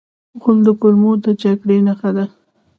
غول د کولمو د جګړې نښه ده.